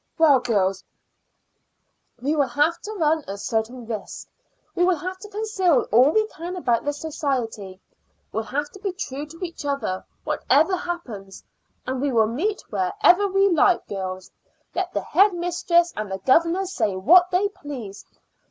Well girls, we'll have to run a certain risk. We will have to conceal all we can about this society; we'll have to be true to each other, whatever happens; and we'll meet wherever we like, girls. Let the head mistress and the governors say what they please."